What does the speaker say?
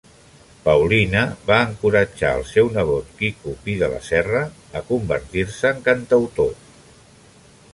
Paulina va encoratjar al seu nebot Quico Pi de la Serra a convertir-se en cantautor.